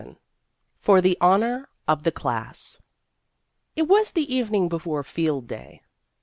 VII FOR THE HONOR OF THE CLASS IT was the evening before Field Day.